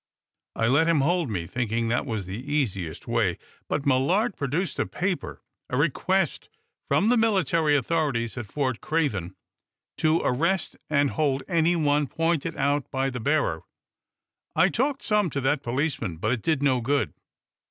I let him hold me, thinking that the easiest way. But Millard produced a paper a request from the military authorities at Fort. Craven, to arrest and hold anyone pointed out by the bearer. I talked some to that policeman, but it did no good.